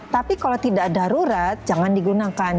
tapi kalau tidak darurat jangan digunakan